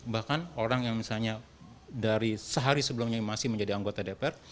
bahkan orang yang misalnya dari sehari sebelumnya masih menjadi anggota dpr